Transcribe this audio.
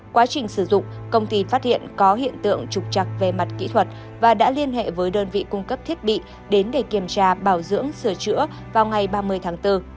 quá trình sử dụng công ty phát hiện có hiện tượng trục chặt về mặt kỹ thuật và đã liên hệ với đơn vị cung cấp thiết bị đến để kiểm tra bảo dưỡng sửa chữa vào ngày ba mươi tháng bốn